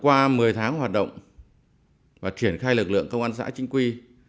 qua một mươi tháng hoạt động và triển khai lực lượng công an xã chính quy